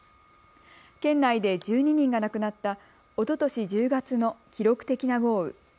県内で１２人が亡くなったおととし１０月の記録的な豪雨。